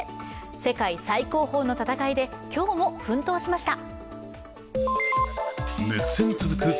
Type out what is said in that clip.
世界最高峰の戦いで、今日も奮闘しました。